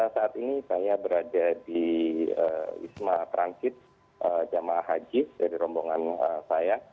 saat ini saya berada di wisma transit jemaah haji dari rombongan saya